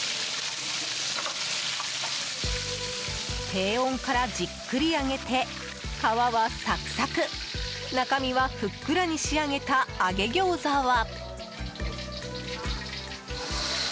低温からじっくり揚げて皮はサクサク中身はふっくらに仕上げた揚げ餃子は。